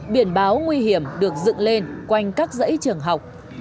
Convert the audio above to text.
biển báo nguy hiểm được dựng lên quanh các dãy trường học